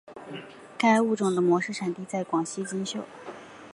该物种的模式产地在广西金秀。